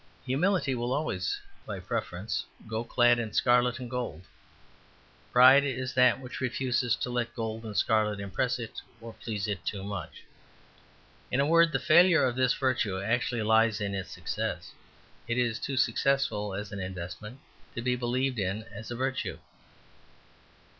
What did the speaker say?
Humility will always, by preference, go clad in scarlet and gold; pride is that which refuses to let gold and scarlet impress it or please it too much. In a word, the failure of this virtue actually lies in its success; it is too successful as an investment to be believed in as a virtue.